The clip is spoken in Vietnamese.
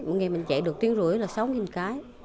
mỗi ngày mình chạy được tiếng rưỡi là sáu cái